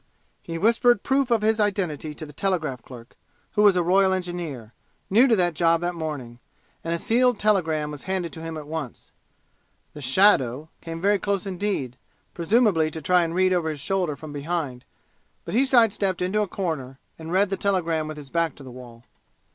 He whispered proof of his identity to the telegraph clerk, who was a Royal Engineer, new to that job that morning, and a sealed telegram was handed to him at once. The "shadow" came very close indeed, presumably to try and read over his shoulder from behind, but he side stepped into a corner and read the telegram with his back to the wall.